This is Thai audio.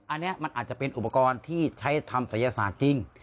อันนี้มันอาจจะเป็นอุปกรณ์ที่ใช้ทำศัยศาสตร์จริง